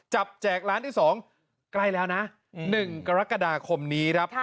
แจกร้านที่๒ใกล้แล้วนะ๑กรกฎาคมนี้ครับ